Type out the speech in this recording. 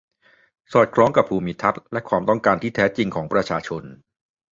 สอดคล้องกับภูมิทัศน์ และความต้องการที่แท้จริงของประชาชน